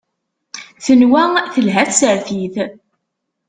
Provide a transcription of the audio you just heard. Tenwa telha tsertit.